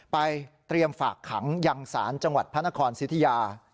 เตรียมฝากขังยังศาลจังหวัดพระนครสิทธิยา